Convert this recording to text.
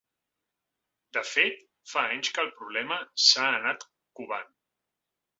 De fet, fa anys que el problema s’ha anat covant.